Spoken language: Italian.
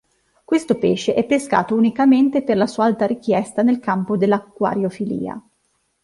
Questo pesce è pescato unicamente per la sua alta richiesta nel campo dell'acquariofilia.